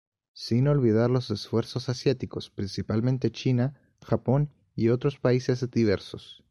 Sin olvidar los esfuerzos asiáticos, principalmente China, Japon y otros países diversos.